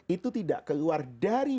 itu tidak keluar dari